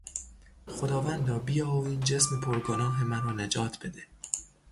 خداوندا بیا و این جسم پرگناه مرا نجات بده.